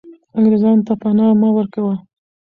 انګریزانو ته پنا مه ورکوه.